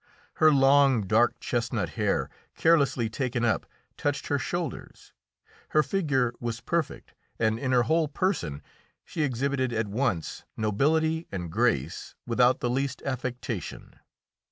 Her long, dark chestnut hair, carelessly taken up, touched her shoulders. Her figure was perfect, and in her whole person she exhibited at once nobility and grace without the least affectation.